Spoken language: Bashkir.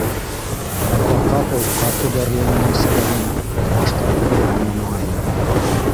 Уға ҡапыл ҡаты бәрелеүенең сәбәбен башта үҙе лә аңламағайны.